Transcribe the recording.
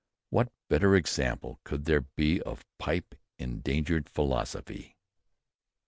What better example could there be of pipe engendered philosophy?